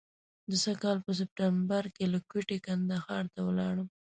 د سږ کال په سپټمبر کې له کوټې کندهار ته ولاړم.